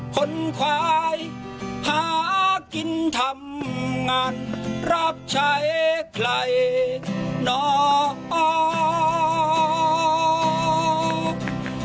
คนควายหากินทำงานรับใช้ใครนอกออก